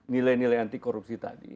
nilai nilai anti korupsi tadi